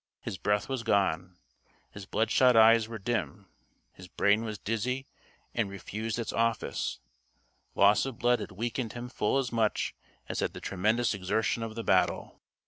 His breath was gone. His bloodshot eyes were dim. His brain was dizzy and refused its office. Loss of blood had weakened him full as much as had the tremendous exertion of the battle.